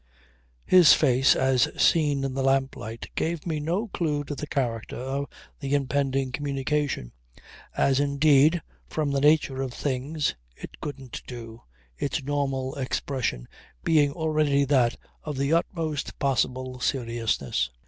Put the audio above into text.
His face as seen in the lamplight gave me no clue to the character of the impending communication; as indeed from the nature of things it couldn't do, its normal expression being already that of the utmost possible seriousness.